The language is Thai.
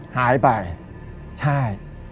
หายไปใช่